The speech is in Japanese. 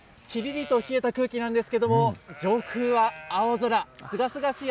きりりと冷えた空気なんですけれども、上空は青空。